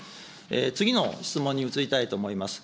次の質問に移りたいと思います。